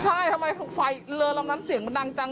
ใช่ทำไมไฟเรือลำนั้นเสียงมันดังจัง